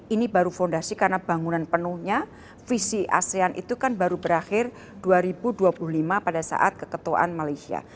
ini baru fondasi karena bangunan penuhnya visi asean itu kan baru berakhir dua ribu dua puluh lima pada saat keketuaan malaysia